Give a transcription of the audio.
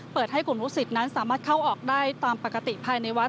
ให้กลุ่มลูกศิษย์นั้นสามารถเข้าออกได้ตามปกติภายในวัด